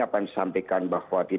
apa yang disampaikan bahwa